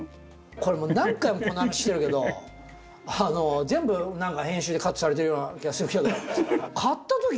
これもう何回もこの話してるけど全部何か編集でカットされてるような気がするけど。